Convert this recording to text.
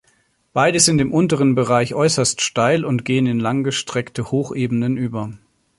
Beide sind im unteren Bereich äusserst steil und gehen in lang gestreckte Hochebenen über.